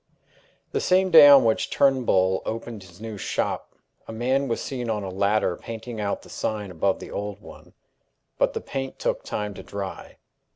The same day on which Turnbull opened his new shop, a man was seen on a ladder painting out the sign above the old one. But the paint took time to dry.